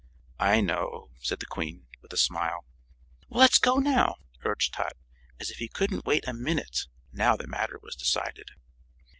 "I know," said the Queen, with a smile. "Let's go now," urged Tot, as if he couldn't wait a minute, now the matter was decided.